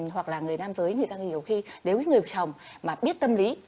hoặc là người nam giới người ta nhiều khi nếu người chồng mà biết tâm lý